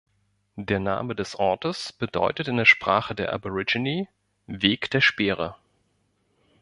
Der Name des Ortes bedeutet in der Sprache der Aborigine „Weg der Speere“.